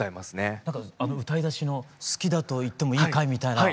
あの歌いだしの好きだと言ってもいいかいみたいな。